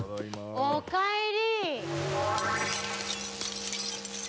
おかえり